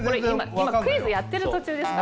今クイズやってる途中です。